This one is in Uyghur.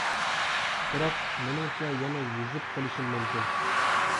بىراق مېنىڭچە يەنە يېزىپ قىلىشىم مۇمكىن.